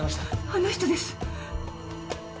あの人です。